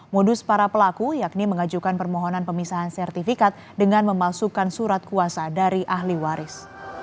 modus para pelaku yakni mengajukan permohonan pemisahan sertifikat dengan memasukkan surat kuasa dari ahli waris